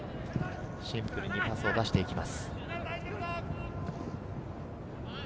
シンプルにパスを出していきます。